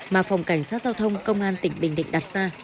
mà phòng cảnh sát giao thông công an tỉnh bình định đặt ra